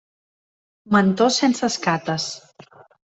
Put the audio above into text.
Mentó sense escates.